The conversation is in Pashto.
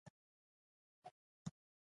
ژوندي د عقل کار اخلي